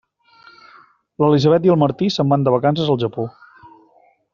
L'Elisabet i el Martí se'n van de vacances al Japó.